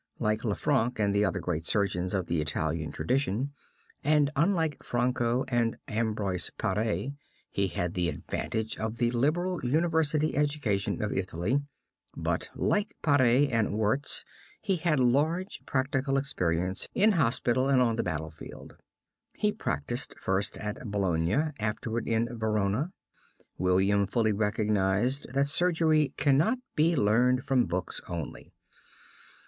Like Lanfranc and the other great surgeons of the Italian tradition, and unlike Franco and Ambroise Paré, he had the advantage of the liberal university education of Italy; but, like Paré and Wurtz, he had large practical experience in hospital and on the battlefield. He practised first at Bologna, afterward in Verona. William fully recognised that surgery cannot be learned from books only.